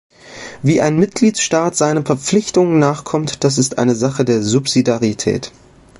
Wie ein Mitgliedstaat seinen Verpflichtungen nachkommt, das ist eine Sache der Subsidiarität.